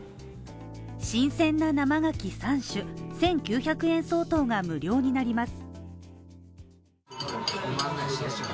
新鮮な生ガキ３種１９００円相当が無料になります。